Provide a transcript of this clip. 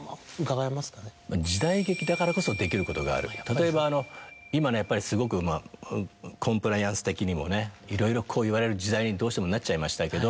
例えばあの今ねやっぱりすごくコンプライアンス的にもねいろいろ言われる時代にどうしてもなっちゃいましたけど。